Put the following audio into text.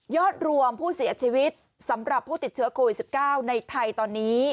รวมผู้เสียชีวิตสำหรับผู้ติดเชื้อโควิด๑๙ในไทยตอนนี้